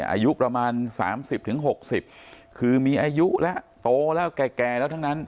อายุประมาณ๓๐๖๐คือมีอายุแล้วโตแล้วแก่แล้วทั้งนั้น